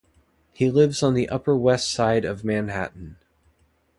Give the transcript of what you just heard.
He lives on the Upper West Side of Manhattan.